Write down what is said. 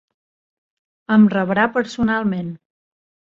Em rebrà personalment.